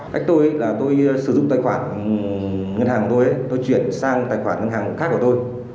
cách tôi là tôi sử dụng tài khoản ngân hàng của tôi tôi chuyển sang tài khoản ngân hàng khác của tôi